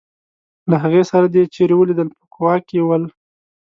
له هغې سره دي چېرې ولیدل په کوا کې ول.